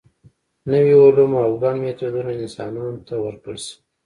نوي علوم او ګڼ میتودونه انسانانو ته ورکړل شوي.